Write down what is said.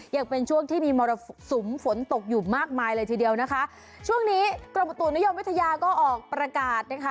ยังเป็นช่วงที่มีมรสุมฝนตกอยู่มากมายเลยทีเดียวนะคะช่วงนี้กรมอุตุนิยมวิทยาก็ออกประกาศนะคะ